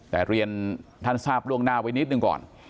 แต่เรียนท่านทราบล่วงหน้าไว้นิดหนึ่งก่อน